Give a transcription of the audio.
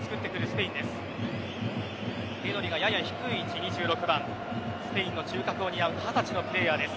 ペドリがやや低い位置、２６番スペインの中軸を担う２０歳のプレーヤーです。